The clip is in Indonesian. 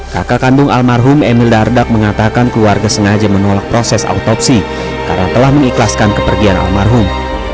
kakak kandung almarhum emil dardak mengatakan keluarga sengaja menolak proses autopsi karena telah mengikhlaskan kepergian almarhum